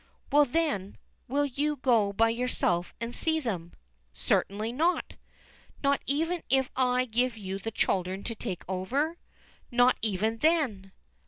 "Well, then, will you go by yourself and see them?" "Certainly not." "Not even if I give you the children to take over?". "Not even then."